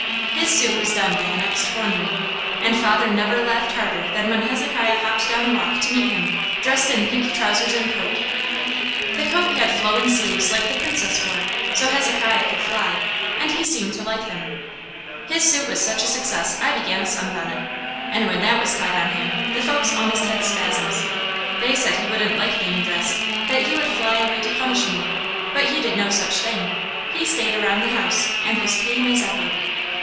His suit was done by the next forenoon, and father never laughed harder than when Hezekiah hopped down the walk to meet him dressed in pink trousers and coat. The coat had flowing sleeves like the Princess wore, so Hezekiah could fly, and he seemed to like them. His suit was such a success I began a sunbonnet, and when that was tied on him, the folks almost had spasms. They said he wouldn't like being dressed; that he would fly away to punish me, but he did no such thing. He stayed around the house and was tame as ever.